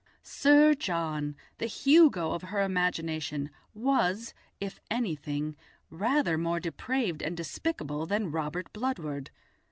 Sir John, the Hugo of her imagination, was, if anything, rather more depraved and despicable than Robert Bludward.